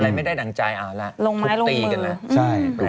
อะไรไม่ได้ดังใจเอาละลงไม้ลงมือ